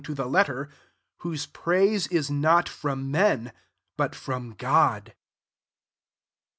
to the letter: whosQ praise it not from men, but from Crod.